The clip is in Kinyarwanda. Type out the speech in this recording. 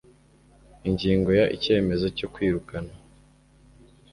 ingingo ya icyemezo cyo kwirukana